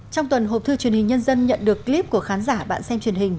trong tuần hộp thư truyền hình nhân dân nhận được clip của khán giả bạn xem truyền hình